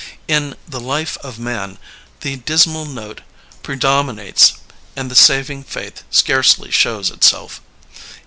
In The Life of Man the dismal note predom inates, and the saving faith scarcely shows itself.